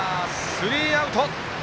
スリーアウト。